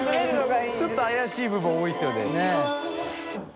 ちょっと怪しい部分多いですよね。